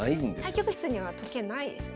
対局室には時計ないですね。